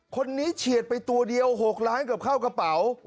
เฉียดไปตัวเดียว๖ล้านเกือบเข้ากระเป๋า